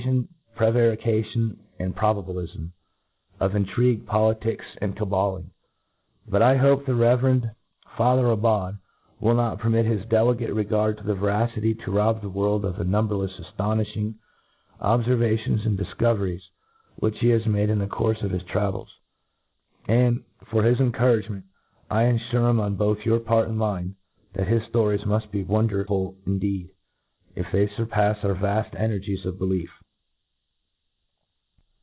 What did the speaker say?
fion, prevarication, and probabilifm ;— of in trigue, politics, and cabaUing. But I hope the reverend Father Raubaud will not permit his de licate regard to veracity to rob the world of ' the numberlefe aftonifhing obfervations and dif coveries which he" has made in the courfe of his travels ; and, for his encouragement, I aflure him, on both your part and mine, that histories muft be wonderful indeed ! if they furpafe our vaft c . nergies of belief.